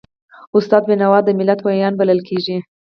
استاد بینوا د ملت ویاند بلل کېږي.